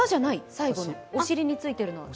最後にお尻についているのは？